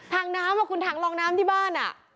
ถังน้ำคุณถังลองน้ำที่บ้าน